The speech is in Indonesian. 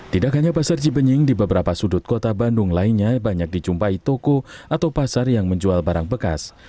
tidak hanya pasar cibenying di beberapa sudut kota bandung lainnya banyak dijumpai toko atau pasar yang menjual barang bekas